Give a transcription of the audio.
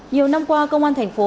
nhiều năm qua công an thành phố